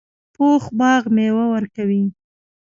پوخ باغ میوه ورکوي